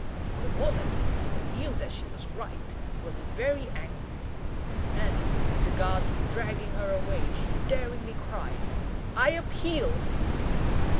The woman, who knew that she was right, was very angry; and, as the guards were dragging her away, she daringly cried, "I appeal!"